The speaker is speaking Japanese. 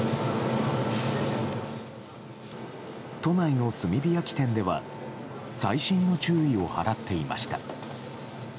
都内の炭火焼き店では細心の注意を払っていました。